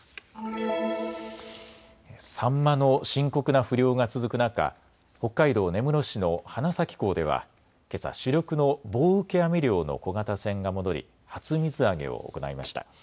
サンマの深刻な不漁が続く中、北海道根室市の花咲港ではけさ、主力の棒受け網漁の小型船が戻り初水揚げを行いました。